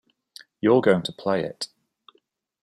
You're going to play it.